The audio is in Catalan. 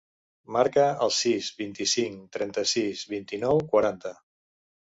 Marca el sis, vint-i-cinc, trenta-sis, vint-i-nou, quaranta.